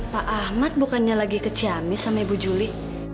pak ahmad bukannya lagi keciami sama ibu juli